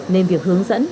nên việc hướng dẫn